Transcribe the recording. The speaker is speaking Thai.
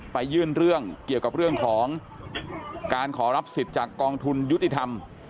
ยื่นเรื่องเกี่ยวกับเรื่องของการขอรับสิทธิ์จากกองทุนยุติธรรม